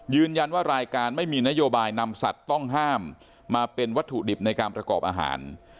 รายการไม่มีนโยบายนำสัตว์ต้องห้ามมาเป็นวัตถุดิบในการประกอบอาหาร